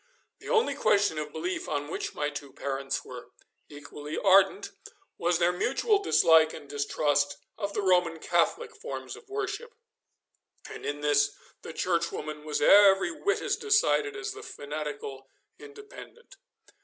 The only question of belief on which my two parents were equally ardent was their mutual dislike and distrust of the Roman Catholic forms of worship, and in this the Churchwoman was every whit as decided as the fanatical Independent.